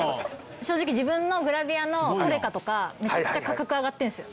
正直自分のグラビアのトレカとかめちゃくちゃ価格上がってんすよ。